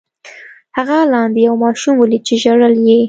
هغه لاندې یو ماشوم ولید چې ژړل یې.